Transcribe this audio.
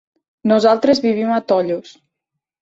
Nosaltres vivim a Tollos.